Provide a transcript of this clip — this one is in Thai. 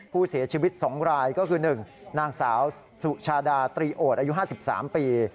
ผู้เสียชีวิต๒รายก็คือ๑นางสาวสุชาดาตรีโอดอายุ๕๓ปี